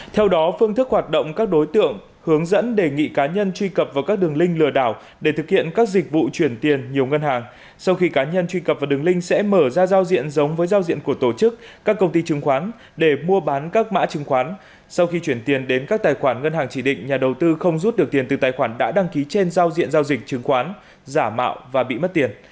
theo đó phương thức hoạt động các đối tượng hướng dẫn đề nghị cá nhân truy cập vào các đường linh lừa đảo để thực hiện các dịch vụ chuyển tiền nhiều ngân hàng sau khi cá nhân truy cập vào đường linh sẽ mở ra giao diện giống với giao diện của tổ chức các công ty chứng khoán để mua bán các mã chứng khoán sau khi chuyển tiền đến các tài khoản ngân hàng chỉ định nhà đầu tư không rút được tiền từ tài khoản đã đăng ký trên giao diện giao dịch chứng khoán giả mạo và bị mất tiền